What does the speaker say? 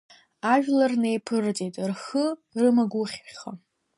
Ажәлар неиԥырҵит, рхы рымагухьха…